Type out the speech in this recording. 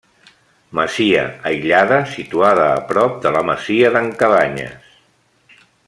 Masia aïllada, situada a prop de la masia d'en Cabanyes.